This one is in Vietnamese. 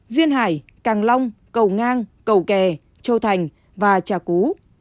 duyên hải càng long cầu ngang cầu kè châu thành và trà cú